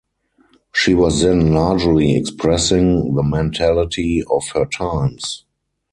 She was then largely expressing the mentality of her times.